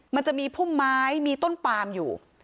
มันจะมีพุ่มไม้มีต้นปามอยู่